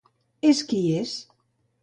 És qui és.